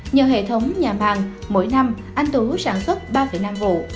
nhờ hệ thống nhà màng mỗi năm anh tú sản xuất ba năm vụ